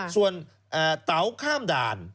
ส่วนเต๋าข้ามด่าน